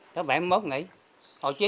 tới bảy mươi một nghỉ